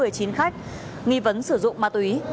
tiến khách nghi vấn sử dụng ma túy